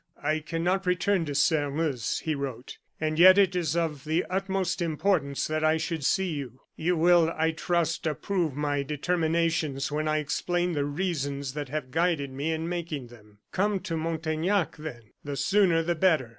"I cannot return to Sairmeuse," he wrote, "and yet it is of the utmost importance that I should see you. "You will, I trust, approve my determinations when I explain the reasons that have guided me in making them. "Come to Montaignac, then, the sooner the better.